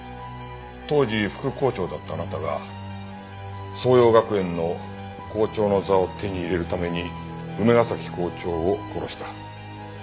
当時副校長だったあなたが爽葉学園の校長の座を手に入れるために梅ヶ崎校長を殺した。